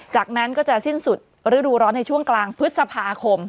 จากนั้นก็จะสิ้นสุดฤดูร้อนในช่วงกลางพฤษภาคม